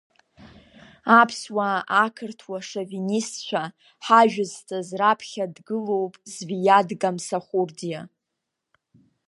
Аԥсуаа ақырҭуа шовинистцәа ҳажәызҵаз раԥхьа дгылоуп Звиад Гамсахурдиа.